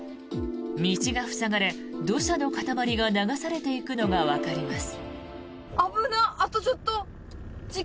道が塞がれ、土砂の塊が流されていくのがわかります。